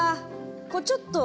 こうちょっと。